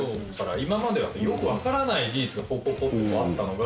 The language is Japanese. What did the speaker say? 今まではよく分からない事実がポンポンポンってあったのが。